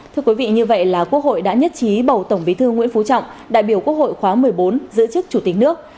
thưa quý vị như vậy là quốc hội đã nhất trí bầu tổng bí thư nguyễn phú trọng đại biểu quốc hội khóa một mươi bốn giữ chức chủ tịch nước